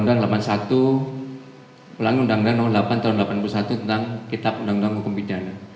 undang undang nomor delapan tahun seribu sembilan ratus delapan puluh satu tentang kitab undang undang hukum pidana